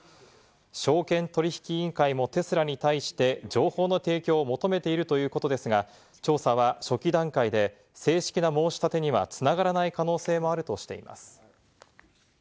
証券取引委員会もテスラに対して情報の提供を求めているということですが、調査は初期段階で正式な申し立てには繋がらない可能性もあるとしています。